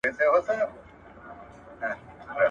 حکومتونه نسي کولای پر خلګو مذهب وتپي.